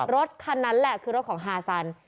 รถคันนั้นแหละคือรถของฮาซัน